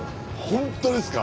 本当ですか？